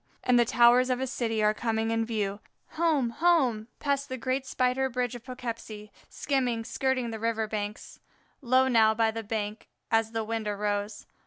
and the towers of a city are coming in view! Home! home! past the great spider bridge of Poughkeepsie, skimming, skirting the river banks. Low now by the bank as the wind arose.